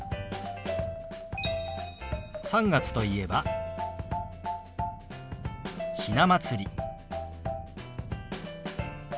３月といえば「ひな祭り」。